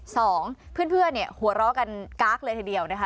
สองเพื่อนเนี่ยหัวเราะกันก๊ากเลยทีเดียวนะคะ